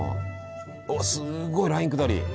おっすごいライン下り。